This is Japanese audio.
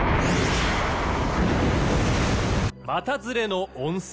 股ずれの温泉。